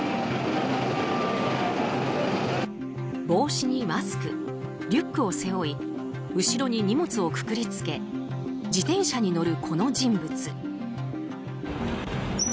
帽子にマスクリュックを背負い後ろに荷物をくくりつけ自転車に乗るこの人物。